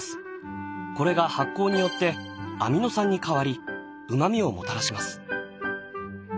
これが発酵によってアミノ酸に変わりうまみをもたらします。